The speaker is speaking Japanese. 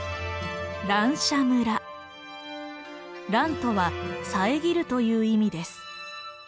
「」とはさえぎるという意味です。